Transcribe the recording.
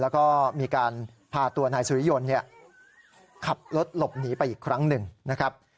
แล้วก็มีการพาตัวนายสุริยนต์ขับรถหลบหนีไปอีกครั้งหนึ่งนะครับ